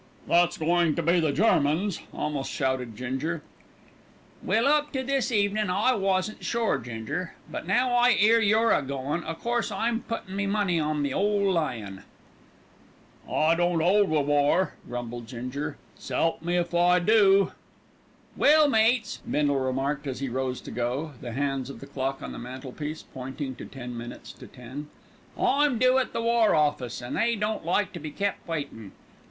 "That's goin' to be the Germans," almost shouted Ginger. "Well, up to this evenin' I wasn't sure, Ginger, but now I 'ear you're a goin', o' course I'm puttin' me money on the ole lion." "I don't 'old wi' war," grumbled Ginger. "S' 'elp me if I do." "Well, mates," Bindle remarked, as he rose to go, the hands of the clock on the mantelpiece pointing to ten minutes to ten, "I'm due at the War Office, an' they don't like to be kep' waitin'.